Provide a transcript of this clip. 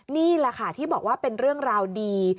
นี่แหละค่ะที่บอกว่าเป็นเรื่องราวดี